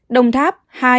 đồng tháp hai